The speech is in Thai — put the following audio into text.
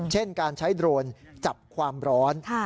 เช่นการใช้โดรนจับความร้อน